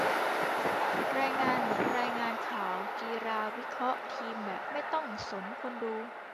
รายงานเหมือนรายงานข่าวกีฬา วิเคราะห์ทีมแบบไม่ต้องสนคนดู